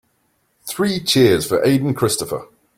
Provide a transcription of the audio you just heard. Three cheers for Aden Christopher.